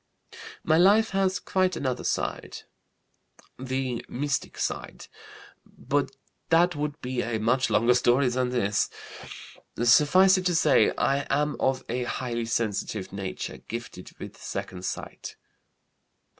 "My life has quite another side, the mystic side. But that would be a much longer story than this. Suffice it to say, I am of a highly sensitive nature, gifted with second sight."